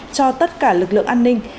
cho tất cả lực lượng an ninh